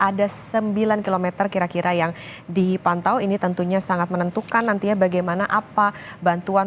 ada sembilan km kira kira yang dipantau ini tentunya sangat menentukan nantinya bagaimana apa bantuan